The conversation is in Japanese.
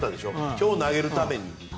今日投げるために。